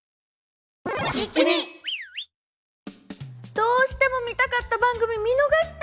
どうしても見たかった番組見逃した！